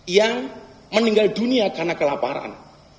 yang meninggal dunia karena kelaparan